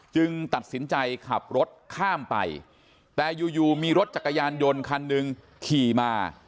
ตัดสินใจขับรถข้ามไปแต่อยู่อยู่มีรถจักรยานยนต์คันหนึ่งขี่มา